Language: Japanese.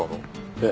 ええ。